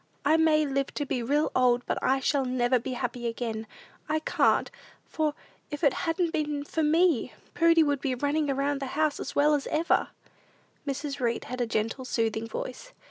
"I may live to be real old; but I never shall be happy again! I can't, for, if it hadn't been for me? Prudy would be running round the house as well as ever!" Mrs. Read had a gentle, soothing voice.